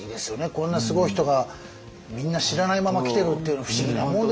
こんなすごい人がみんな知らないまま来てるっていうの不思議なもんですね